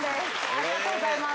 ありがとうございます。